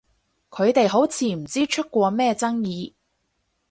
佢哋好似唔知出過咩爭議？